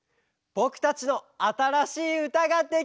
ぼくたちのあたらしいうたができました！